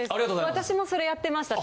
私もそれやってました。